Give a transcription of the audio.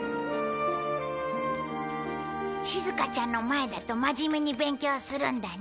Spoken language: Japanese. しずかちゃんの前だと真面目に勉強するんだね。